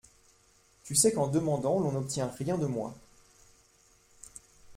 Tu sais qu’en demandant L’on n’obtient rien de moi.